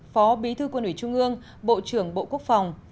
phó bí thư quân ủy trung ương bộ trưởng bộ quốc phòng